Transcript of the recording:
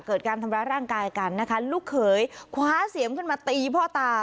เกิดการทำร้ายร่างกายกันนะคะลูกเขยคว้าเสียมขึ้นมาตีพ่อตา